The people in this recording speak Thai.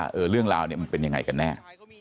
เรื่องราวเนี่ยมันเป็นยังไงกันแน่